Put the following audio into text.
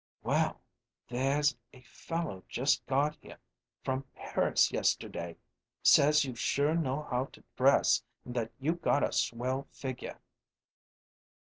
"Well, there's a fellow just got here from Paris yesterday says you sure know how to dress and that you got a swell figure."